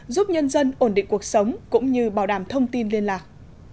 giúp nhân dân ổn định cuộc sống cũng như bảo đảm thông tin liên lạc